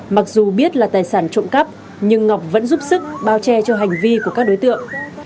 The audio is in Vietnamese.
mặc dù biết là tài sản trộm cắp nhưng ngọc vẫn giúp sức bao che cho hành vi của các đối tượng